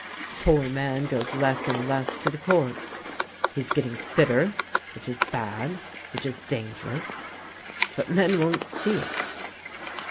The poor man goes less and less to the courts. He is getting bitter, which is bad, which is dangerous. But men won't see it."